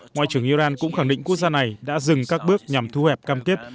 ngoại trưởng iran cũng khẳng định quốc gia này đã dừng các bước nhằm thu hẹp cam kết